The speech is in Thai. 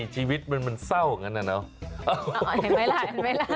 ชีวิตมันเศร้าอย่างนั้นน่ะเนาะไม่แล้ว